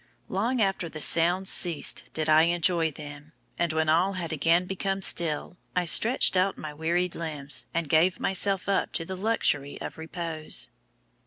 Long after the sounds ceased did I enjoy them, and when all had again become still, I stretched out my wearied limbs, and gave myself up to the luxury of repose."